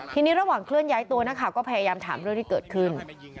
ทีนี้ระหว่างเคลื่อนย้ายตัวนักข่าวก็พยายามถามเรื่องที่เกิดขึ้น